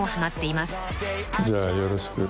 じゃあよろしく。